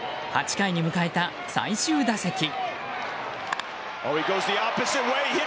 ８回に迎えた最終打席。